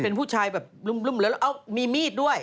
เป็นผู้ชายแบบรุ่มแล้วมีมีดด้วย